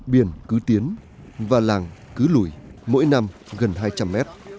biển cứ tiến và làng cứ lủi mỗi năm gần hai trăm linh mét